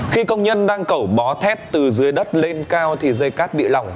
khi công nhân đang cẩu bó thép từ dưới đất lên cao thì dây cát bị lỏng